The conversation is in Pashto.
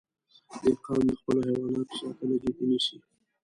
دهقان د خپلو حیواناتو ساتنه جدي نیسي.